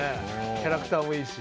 キャラクターもいいし。